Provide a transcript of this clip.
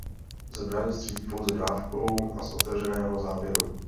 Zbraň střílí pouze dávkou a z otevřeného závěru.